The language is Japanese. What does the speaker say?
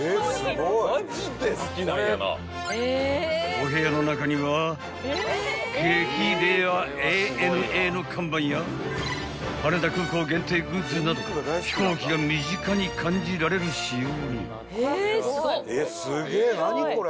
［お部屋の中には激レアＡＮＡの看板や羽田空港限定グッズなど飛行機が身近に感じられる仕様に］